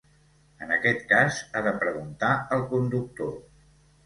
En aquest cas ha de preguntar al conductor.